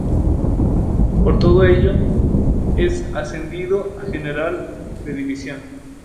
Por todo ello es ascendido a General de División.